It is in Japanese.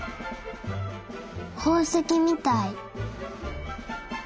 ほうせきみたい。